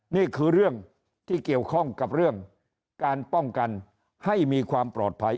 นี่คือเรื่องที่เกี่ยวข้องกับเรื่องการป้องกันให้มีความปลอดภัย